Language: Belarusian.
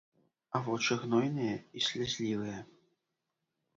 А вочы гнойныя і слязлівыя.